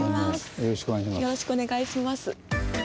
よろしくお願いします。